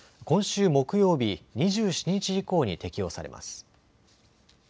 今週木曜日２７日以降に適用されます。